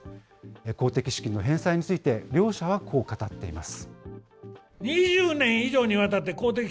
公的資金の返済について、両社はこう語っています。